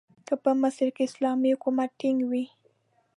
که په مصر کې اسلامي حکومت ټینګ وي.